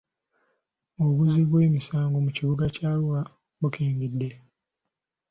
Obuzzi bw'emisango mu kibuga kya Arua bukendedde.